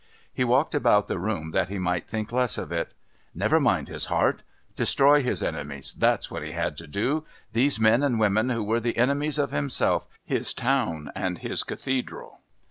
He walked about the room that he might think less of it. Never mind his heart! Destroy his enemies, that's what he had to do these men and women who were the enemies of himself, his town and his Cathedral.